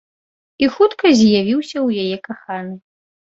І хутка з'явіўся ў яе каханы.